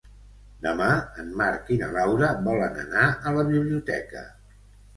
Demà en Marc i na Laura volen anar a la biblioteca.